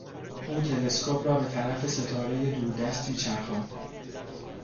او تلسکوپ را به طرف ستارهی دوردستی چرخاند.